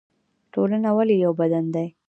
ټولنه ولې یو بدن دی؟